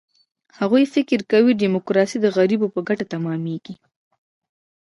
هغوی فکر کوي، ډیموکراسي د غریبو په ګټه تمامېږي.